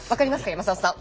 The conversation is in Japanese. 山里さん。